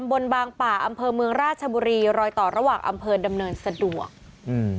บนบางป่าอำเภอเมืองราชบุรีรอยต่อระหว่างอำเภอดำเนินสะดวกอืม